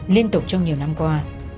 liên tục trong nhiều năm qua